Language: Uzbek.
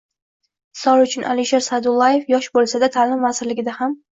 Misol uchun, Alisher Sa’dullayev yosh bo‘lsa-da, Ta’lim vazirligida ham